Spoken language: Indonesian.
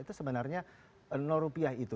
itu sebenarnya rupiah itu